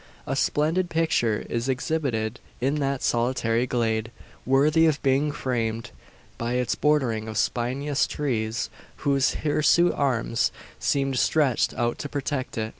A splendid picture is exhibited in that solitary glade; worthy of being framed, by its bordering of spinous trees, whose hirsute arms seem stretched out to protect it.